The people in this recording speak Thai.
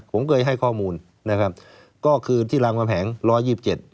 ผมเคยให้ข้อมูลนะครับก็คือที่รามกำแหงร้อยยี่สิบเจ็ด